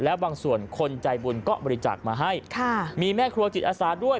และบางส่วนคนใจบุญก็บริจาคมาให้ค่ะมีแม่ครัวจิตอาสาด้วย